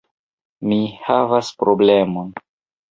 Mi havas problemon!